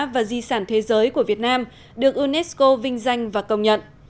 và di sản thế giới của việt nam được unesco vinh danh và công nhận